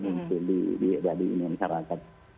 mungkin di masyarakat